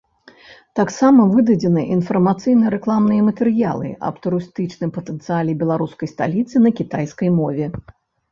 Таксама выдадзены інфармацыйна-рэкламныя матэрыялы аб турыстычным патэнцыяле беларускай сталіцы на кітайскай мове.